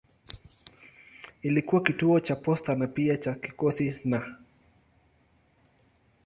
Ilikuwa kituo cha posta na pia cha kikosi na.